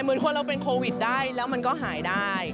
เหมือนคนเราเป็นโควิดได้แล้วมันก็หายได้